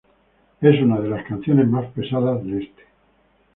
Es una de las canciones más pesadas de este.